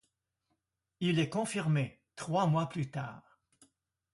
Il est confirmé trois mois plus tard.